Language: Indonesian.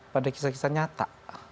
pada kisah kisah nyata